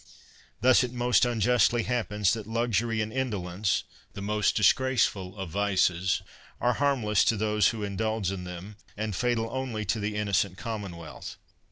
Thus it most unjustly happens that luxury and indo lence, the most disgraceful of vices, are harm less to those who indulge in them^ and fatal only to the innocent commonwealth.